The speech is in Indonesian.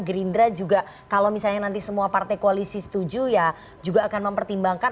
gerindra juga kalau misalnya nanti semua partai koalisi setuju ya juga akan mempertimbangkan